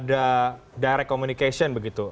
kelompok kelompok ini bisa ada direct communication begitu